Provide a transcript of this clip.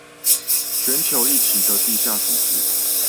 全球一起的地下組織